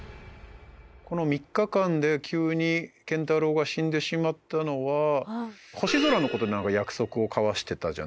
この３日間で急に健太郎が死んでしまったのは星空の事で何か約束を交わしてたじゃないですか。